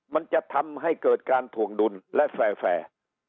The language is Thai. มันจะทำให้เกิดการถวงดุลและแฟร์